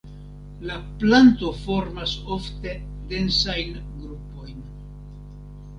La planto formas ofte densajn grupojn.